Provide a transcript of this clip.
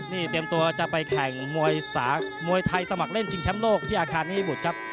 นี่เตรียมตัวจะไปแข่งมวยไทยสมัครเล่นชิงแชมป์โลกที่อาคารนี้บุตรครับ